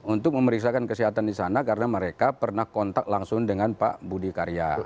untuk memeriksakan kesehatan di sana karena mereka pernah kontak langsung dengan pak budi karya